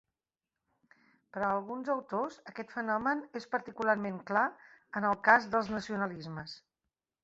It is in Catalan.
Per a alguns autors, aquest fenomen és particularment clar en el cas dels nacionalismes.